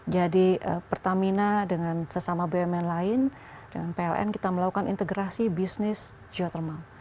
jadi pertamina dengan sesama bumn lain dengan pln kita melakukan integrasi bisnis geothermal